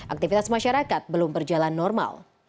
aktivitas masyarakat belum berjalan normal